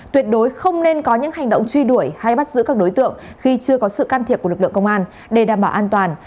tuyệt đối không nên có những hành động truy đuổi hay bắt giữ các đối tượng khi chưa có sự can thiệp của lực lượng công an để đảm bảo an toàn